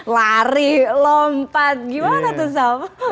lari lompat gimana tuh sama